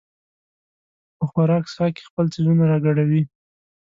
په خوراک څښاک کې خپل څیزونه راګډوي.